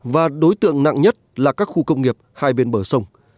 và đối tượng nặng nhất là các khu công nghiệp hai bên bờ sông